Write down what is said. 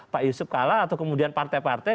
pak yusuf kalla atau kemudian partai partai